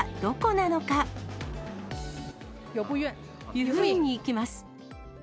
湯布院に行きます。